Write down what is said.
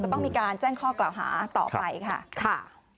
ต้องมีการแจ้งข้อกล่าวหาต่อไปค่ะ